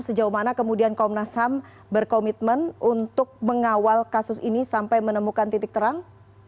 sejauh mana kemudian komnas ham berkomitmen untuk mengawal kasus ini sampai menemukan titik terang